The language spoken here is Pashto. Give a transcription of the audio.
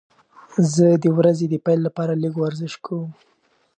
زه د ورځې د پیل لپاره لږه ورزش کوم.